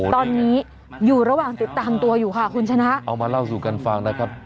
ตอนนี้อยู่ระหว่างติดตามตัวอยู่ค่ะคุณชนะเอามาเล่าสู่กันฟังนะครับ